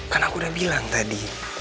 kan aku udah bilang tadi